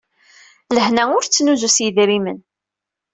Lehna ur tettnuzu s yedrimen.